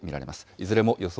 いずれも予想